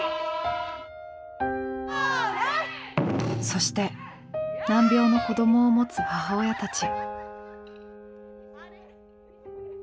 そして難病の子供をもつ母親たち。